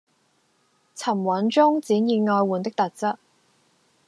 沉穩中展現愛玩的特質